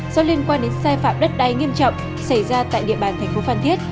do liên quan đến sai phạm đất đai nghiêm trọng xảy ra tại địa bàn thành phố phan thiết